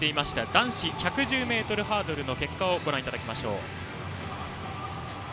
男子１１０ｍハードルの結果をご覧いただきます。